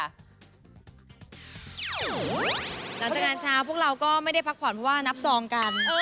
งานเช้าพวกเราก็ไม่ได้พักผ่อนเพราะว่านับซองกัน